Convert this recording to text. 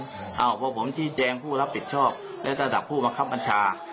เพราะผมชี้แจงผู้รับผิดชอบและระดับผู้บังคับบัญชา